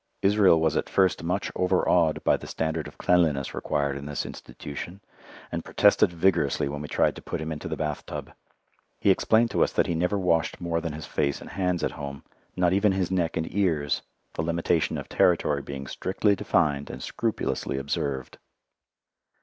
Israel was at first much overawed by the standard of cleanliness required in this institution, and protested vigorously when we tried to put him into the bathtub. He explained to us that he never washed more than his face and hands at home, not even his neck and ears, the limitation of territory being strictly defined and scrupulously observed.